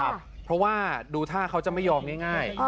เพราะว่าดูท่าเขาจะไม่ยอมง่าย